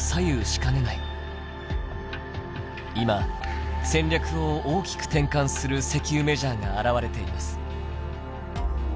今戦略を大きく転換する石油メジャーが現れています。